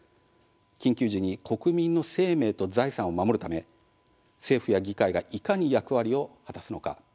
緊急時に国民の生命と財産を守るため政府や議会がいかに役割を果たすのか。